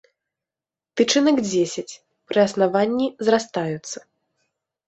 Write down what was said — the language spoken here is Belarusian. Тычынак дзесяць, пры аснаванні зрастаюцца.